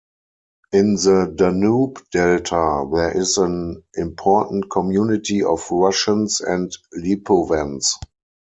In the Danube Delta there is an important community of Russians and Lipovans.